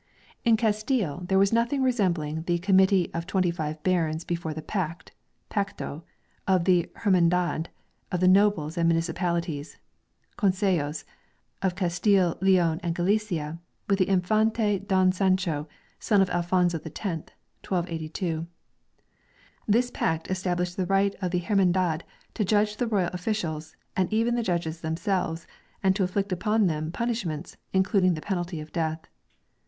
In Castile there was nothing resembling the com mittee of twenty five barons before the Pact (" pacto ") of the Hermandad of the nobles and municipalities (" concejos ") of Castile, Leon, and Galicia with the infante Don Sancho, son of Alfonso X (1282). This Pact established the right of the Hermandad to judge the royal officials and even the judges themselves and to inflict upon them punishments, including the penalty of death.